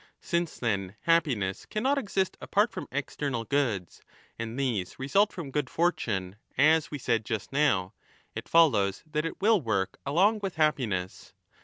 Since, then, happiness cannot exist apart from external goods, and these result from good fortune, as we said just now,^ it follows that it will work along with happiness.